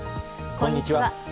こんにちは。